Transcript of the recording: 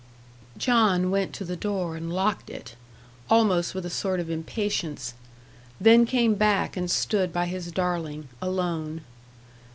John went to the door and locked it, almost with a sort of impatience; then came back and stood by his darling, alone.